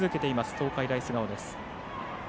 東海大菅生です。